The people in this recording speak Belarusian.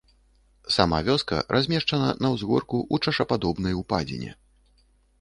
Сама вёска размешчана на ўзгорку ў чашападобнай упадзіне.